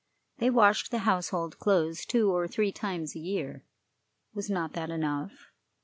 They washed the household clothes two or three times a year. Was not that enough?